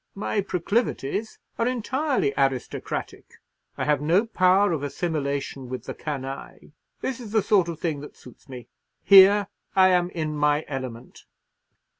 My proclivities are entirely aristocratic: I have no power of assimilation with the canaille. This is the sort of thing that suits me. Here I am in my element."